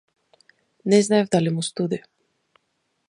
Не знаев дали му студи.